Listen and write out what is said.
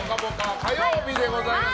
火曜日でございます。